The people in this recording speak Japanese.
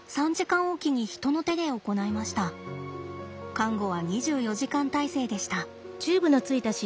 看護は２４時間態勢でした。